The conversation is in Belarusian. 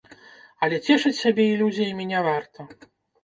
Але цешыць сябе ілюзіямі не варта.